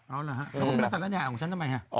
อ๋อเหรอฮะมันเป็นศัลยาของฉันทำไมฮะ